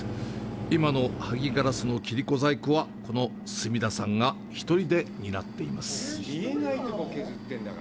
今の萩ガラスの切子細工は、この住田さんが１人で担っています。